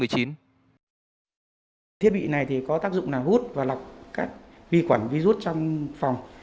thiết bị này có tác dụng là hút và lọc các vi khuẩn virus trong phòng